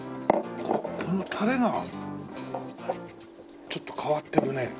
このタレがちょっと変わってるね。